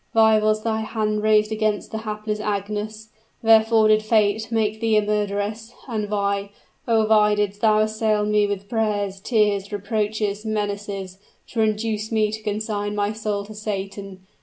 Why was thy hand raised against the hapless Agnes? wherefore did fate make thee a murderess and why, oh, why didst thou assail me with prayers, tears, reproaches, menaces, to induce me to consign my soul to Satan?